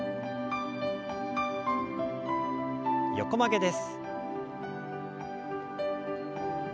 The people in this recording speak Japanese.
横曲げです。